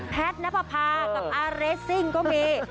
แพทย์ณภาพากับอาร์เรสซิ่งก็มี